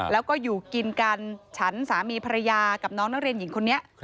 แล้วก็อยู่กินกันฉันสามีภรรยากับน้องนักเรียนหญิงคนนี้